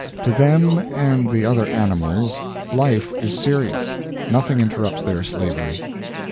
To them and the other animals, life is serious; nothing interrupts their slavery.